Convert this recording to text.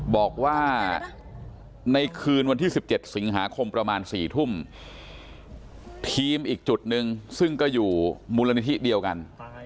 บอกว่าในคืนวันที่๑๗สิงหาคมประมาณ๔ทุ่มทีมอีกจุดนึงซึ่งก็อยู่มูลนิธิเดียวกัน